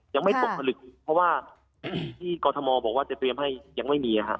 ยังไม่ตกผลึกเพราะว่าที่กรทมบอกว่าจะเตรียมให้ยังไม่มี